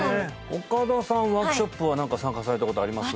岡田さんワークショップは何か参加されたことあります？